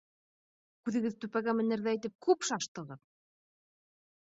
— Күҙегеҙ түпәгә менерҙәй итеп күп шаштығыҙ!